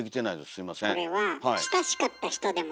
すいません。